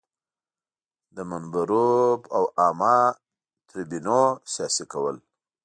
د منبرونو او عامه تریبیونونو سیاسي کول.